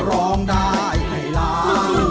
ร้องได้ให้ล้าน